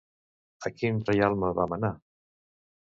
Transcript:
A quin reialme va manar?